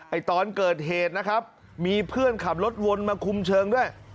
ตอนเกิดเหตุนะครับมีเพื่อนขับรถวนมาคุมเชิงด้วย